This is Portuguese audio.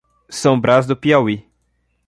São Braz do Piauí